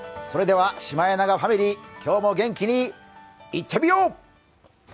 それではシマエナガファミリー、今日も元気にいってみよう！